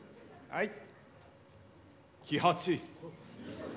はい。